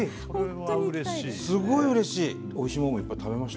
すごいうれしい。